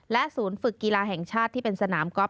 ศูนย์ฝึกกีฬาแห่งชาติที่เป็นสนามกอล์